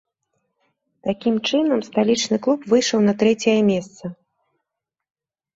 Такім чынам, сталічны клуб выйшаў на трэцяе месца.